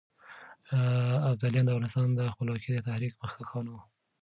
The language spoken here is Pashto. ابداليان د افغانستان د خپلواکۍ د تحريک مخکښان وو.